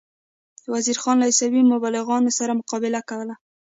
وزیر خان له عیسوي مبلغانو سره مقابله کوله.